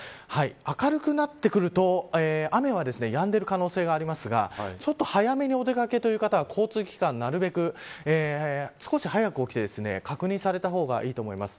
明るくなってくると雨はやんでいる可能性がありますがちょっと早めにお出掛けという方は交通機関、なるべく少し早く起きて確認された方がいいと思います。